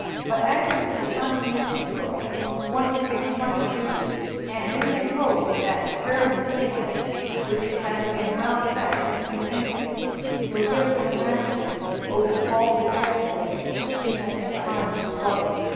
But Agnes is a conscientious girl, one who thinks much of duty: and we may hope that "prayer and pains," which it has been well said can do anything, will give her the mastery over faults against which she is trying to struggle.